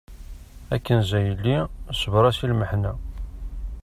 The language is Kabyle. A Kenza a yelli sbeṛ-as i lmeḥna.